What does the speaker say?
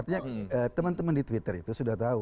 artinya teman teman di twitter itu sudah tahu